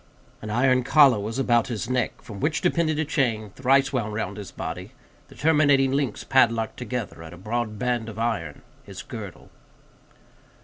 An iron collar was about his neck, from which depended a chain, thrice wound round his body; the terminating links padlocked together at a broad band of iron, his girdle.